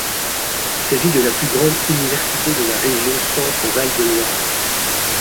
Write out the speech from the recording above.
Il s'agit de la plus grande université de la région Centre-Val de Loire.